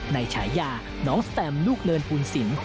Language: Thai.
ในฉายาน้องแสตมลูกเลินภูลสิน